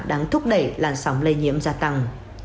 đang thúc đẩy làn sóng lây nhiễm gia tăng